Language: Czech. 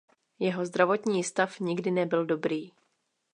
Jeho zdravotní stav nikdy nebyl dobrý.